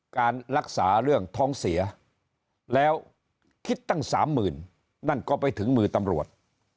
การรักษาเรื่องท้องเสียแล้วคิดตั้งสามหมื่นนั่นก็ไปถึงมือตำรวจ